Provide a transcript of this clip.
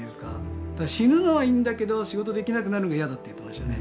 死ぬのはいいんだけど仕事できなくなるのが嫌だって言ってましたね。